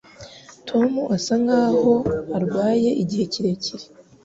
Tom asa nkaho arwaye igihe kirekire.